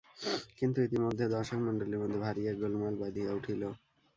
কিন্তু ইতিমধ্যে দর্শকমণ্ডলীর মধ্যে ভারি এক গোলমাল বাধিয়া উঠিল।